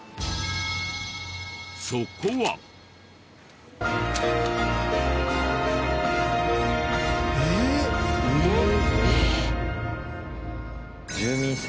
そこは。えっ！えっ！